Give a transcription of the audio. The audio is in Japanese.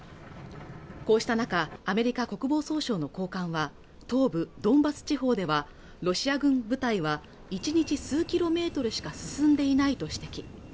こうした中アメリカ国防総省の高官は東部ドンバス地方ではロシア軍部隊は１日数キロメートルしか進んでいないと指摘